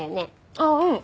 ああうん。